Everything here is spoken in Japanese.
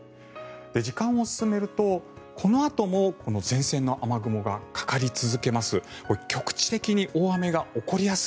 時間を進めると、このあとも前線の雨雲がかかり続けます。